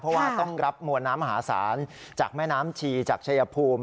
เพราะว่าต้องรับมวลน้ำมหาศาลจากแม่น้ำชีจากชายภูมิ